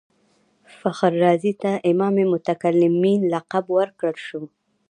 فخر رازي ته امام المتکلمین لقب ورکړل شو.